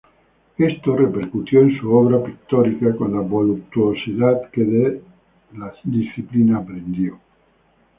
Esto repercutió en su obra pictórica con la voluptuosidad que de la disciplina aprendió.